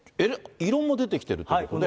異論も出てきてるということで。